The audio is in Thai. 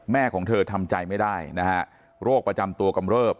ของเธอทำใจไม่ได้นะฮะโรคประจำตัวกำเริบ